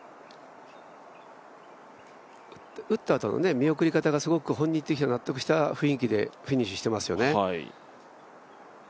打ったあとの見送り方がすごく、本人的には納得した雰囲気でフィニッシュしてますよね。